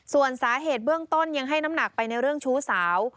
ส่วนสาเหตุเบื้องต้นยังให้น้ำหนักไปในเรื่องชู้สาว